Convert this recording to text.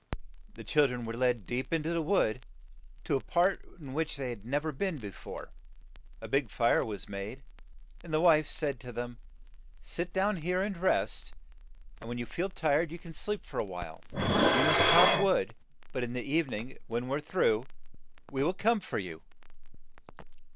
The chil dren were led deep in to the wood, to a part in which they had nev er been be fore. A big fire was made, and the wife said to them, "Sit down here and rest, and "WHY DID YOU SLEEP SO LONG IN THE WOOD?' HANSEL AND GRETHEL when you feel tired you can sleep for a while. We must chop wood, but in in the eve ning, when we are through, we will come for you."